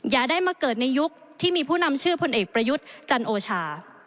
อย่าได้มาเกิดในยุคที่มีผู้นำชื่อพลเอกประยุทธ์จันโอชา